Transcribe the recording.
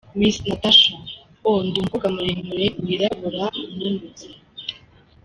Miss Natacha : Oh, ndi umukobwa muremure wirabura, unanutse.